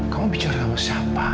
kamu bicara sama siapa